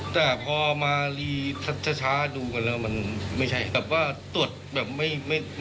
แล้วค่อยมาสรุปแล้วเคยมีคลิปของตัวเองหลุดออกมาบ้างไหม